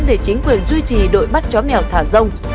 để chính quyền duy trì đội bắt chó mèo thả rông